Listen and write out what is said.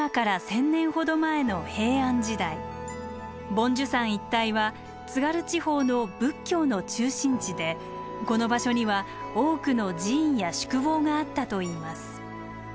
梵珠山一帯は津軽地方の仏教の中心地でこの場所には多くの寺院や宿坊があったといいます。